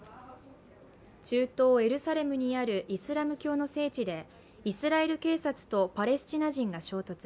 中東・エルサレムにあるイスラム教の聖地でイスラエル警察とパレスチナ人が衝突。